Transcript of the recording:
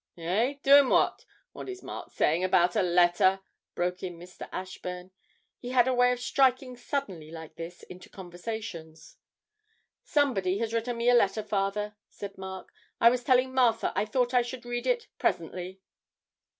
'Eh? doing what? What is Mark saying about a letter?' broke in Mr. Ashburn. He had a way of striking suddenly like this into conversations. 'Somebody has written me a letter, father,' said Mark; 'I was telling Martha I thought I should read it presently.'